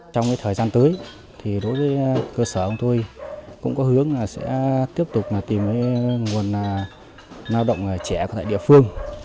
trong thời gian tới thì đối với cơ sở của tôi cũng có hướng là sẽ tiếp tục tìm nguồn lao động trẻ tại địa phương